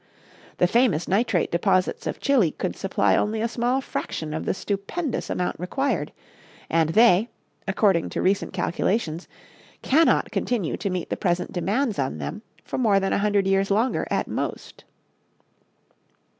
The famous nitrate deposits of Chili could supply only a small fraction of the stupendous amount required, and they, according to recent calculations, cannot continue to meet the present demands on them for more than a hundred years longer, at most.